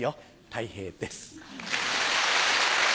たい平です。